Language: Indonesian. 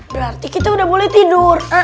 berarti kita udah boleh tidur